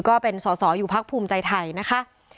ก็เป็นสอสออยู่พักภูมิใจไทยนะคะ